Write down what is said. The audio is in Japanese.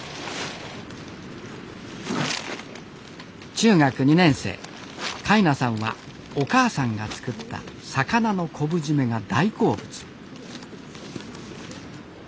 中学２年生海奈さんはお母さんが作った魚の昆布締めが大好物。